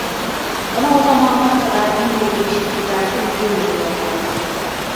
Bana o zamana kadar bilmediğim şekillerde hücum ediyorlardı.